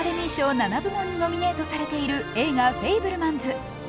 ７部門にノミネートされている映画「フェイブルマンズ」。